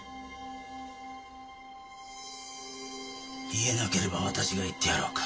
言えなければ私が言ってやろうか。